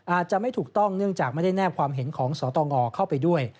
อาจจะไม่ถูกต้องเนื่องจากไม่ได้แนบความเห็นของสตงเข้าไปด้วย